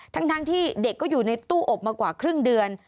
ทั้งที่เด็กก็อยู่ในตู้อบมากว่าครึ่งเดือน